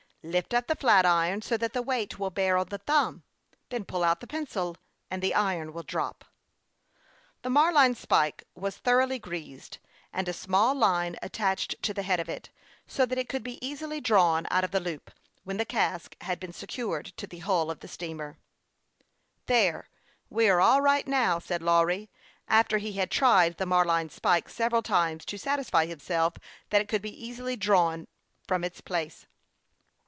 Lift up the flatiron, so that the weight will bear on the thumb ; then pull out the pencil, and the iron will drop. The marline spike was thoroughly greased, and a small line attached to the head of it, so that it could be easily drawn out of the loop, when the cask had been secured to the hull of the steamer. 112 HASTE AND WASTE, OR " There, we are all right now," said Lawry, after he had tried the marline spike several times to sat isfy himself that it could be easily drawn from its place.